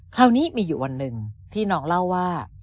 คราวนี้มีอยู่วันหนึ่งที่น้องเล่าว่า